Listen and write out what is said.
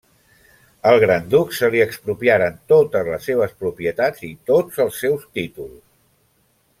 El gran duc se li expropiaren totes les seves propietats i tots els seus títols.